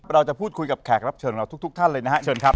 เราจะพูดคุยกับแขกรับเชิญเราทุกท่านเลยนะฮะเชิญครับ